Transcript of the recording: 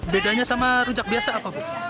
bedanya sama rujak biasa apa bu